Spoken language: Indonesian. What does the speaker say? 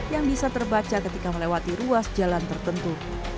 yang bisa terbaca ketika melewati ruas jalan tertentu